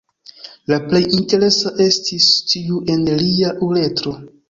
La plej interesa estis tiu en lia uretro.